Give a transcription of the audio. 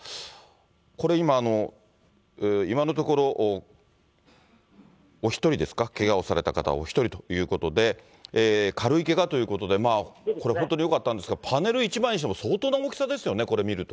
これ今、今のところ、お１人ですか、けがをされた方はお１人ということで、軽いけがということで、これ本当によかったんですが、パネル１枚にしても相当な大きさですよね、これ見ると。